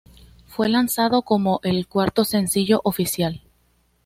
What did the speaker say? Fue lanzado como el cuarto sencillo oficial.